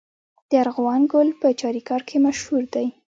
د ارغوان ګل په چاریکار کې مشهور دی.